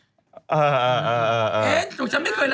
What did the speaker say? เอ๊ะตรงฉันไม่เคยแล้ว